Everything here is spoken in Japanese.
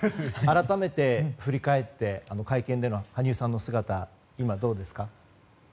改めて振り返って会見での羽生さんの姿今、どうですか？